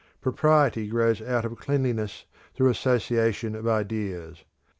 Propriety grows out of cleanliness through the association of ideas.